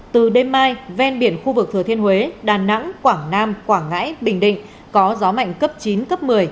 từ đêm mai ven biển khu vực thừa thiên huế đà nẵng quảng nam quảng ngãi bình định có gió mạnh cấp chín cấp một mươi